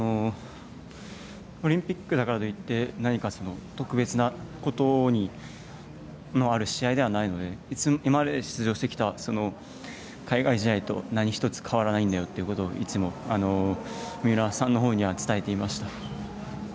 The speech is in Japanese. オリンピックだからといい何か特別なことのある試合ではないので今まで出場してきた海外試合と何一つ変わらないんだよといつも、三浦さんのほうには伝えていました。